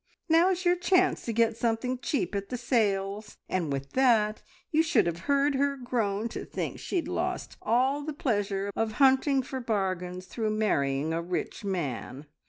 Now's your chance to get something cheap at the sales!' and with that you should have heard her groan to think she'd lost all the pleasure of hunting for bargains through marrying a rich man!